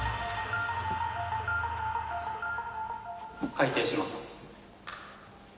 開廷します。